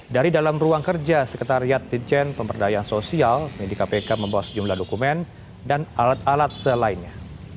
dari dalam ruang kerja sekretariat ditjen pemberdayaan sosial media kpk membawa sejumlah dokumen dan alat alat selainnya